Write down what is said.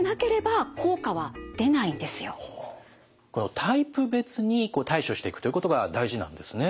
タイプ別に対処していくということが大事なんですね。